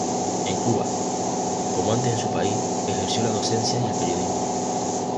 En Cuba, como antes en su país, ejerció la docencia y el periodismo.